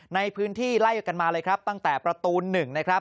ในพื้นที่ไล่กันมาเลยครับตั้งแต่ประตู๑นะครับ